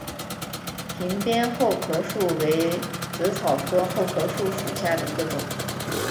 屏边厚壳树为紫草科厚壳树属下的一个种。